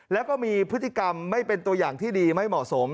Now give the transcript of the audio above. แล้วก็มีพฤติกรรมไม่เป็นตัวอย่างที่ดีไม่เหมาะสม